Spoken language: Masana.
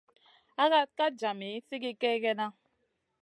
Hakak ka djami sigi kegena.